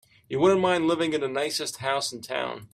You wouldn't mind living in the nicest house in town.